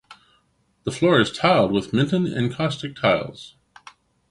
The floor is tiled with Minton Encaustic tiles.